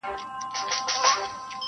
رستمان یې زور ته نه سوای ټینګېدلای-